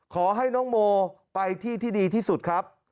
ขอให้น้องโมไปที่ที่ดีที่สุดครับ